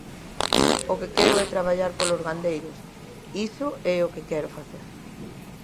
O que quero é traballar polos gandeiros, iso é o que quero facer.